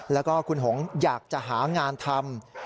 แล้วก็คุณหงอยากจะหางานทำ